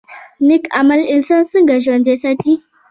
نیک عمل انسان څنګه ژوندی ساتي؟